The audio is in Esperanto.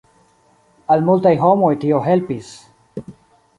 Al multaj homoj tio helpis.